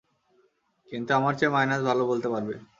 কিন্তু আমার চেয়ে মাইনাস ভালো বলতে পারবে।